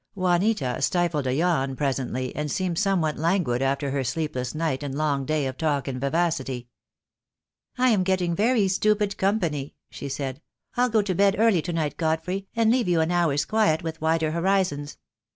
Juanita stifled a yawn presently, and seemed some what languid after her sleepless night and long day of talk and vivacity. "I am getting very stupid company," she said. "I'll go to bed early to night, Godfrey, and leave you an hour's quiet wTith 'Wider Horizons.'